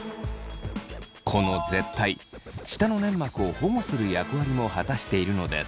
この舌苔舌の粘膜を保護する役割も果たしているのです。